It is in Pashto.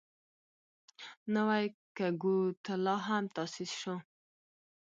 نوی کګوتلا هم تاسیس شو.